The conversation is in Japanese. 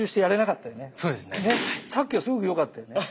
さっきはすごく良かったよね。